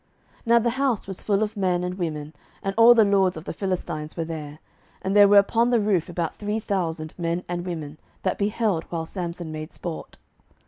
07:016:027 Now the house was full of men and women; and all the lords of the Philistines were there; and there were upon the roof about three thousand men and women, that beheld while Samson made sport.